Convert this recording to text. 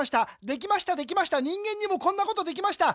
できましたできました人間にもこんなことできました。